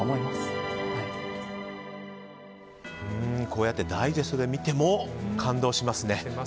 こうやってダイジェストで見ても感動しますね。